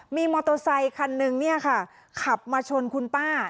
มีมอเตอร์ไซคันนึงเนี่ยค่ะขับมาชนคุณป้า